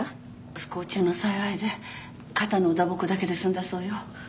不幸中の幸いで肩の打撲だけで済んだそうよ。